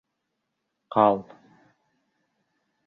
Ҡал.